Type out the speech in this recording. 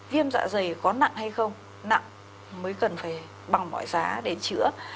viêm dạ dày có nặng hay không nặng mới cần phải bằng mọi giá để chữa